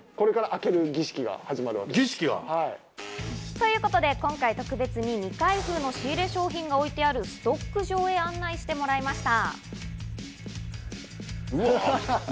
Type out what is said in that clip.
ということで今回特別に２階部分の仕入れ商品が置いてあるストック場へ案内してもらいました。